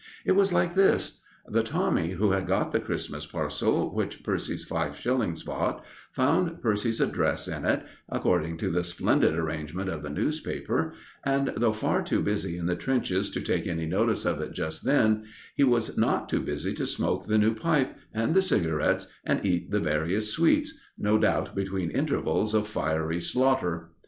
It was like this: the Tommy who had got the Christmas parcel which Percy's five shillings bought, found Percy's address in it, according to the splendid arrangement of the newspaper, and, though far too busy in the trenches to take any notice of it just then, he was not too busy to smoke the new pipe and the cigarettes and eat the various sweets no doubt between intervals of fiery slaughter.